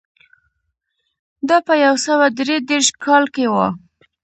دا په یو سوه درې دېرش کال کې و